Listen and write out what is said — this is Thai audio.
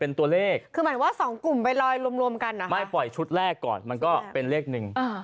เป็นตัวเลขคือหมายว่าสองกลุ่มไปลอยรวมกันนะคะไม่ปล่อยชุดแรกก่อนมันก็เป็นเลขหนึ่ง